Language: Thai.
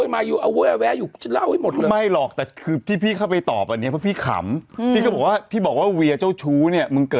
มาอยู่เอาเว้ยแวะอยู่จะเล่าให้หมดหรือ